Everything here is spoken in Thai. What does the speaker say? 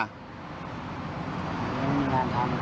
ไม่มีงานทำ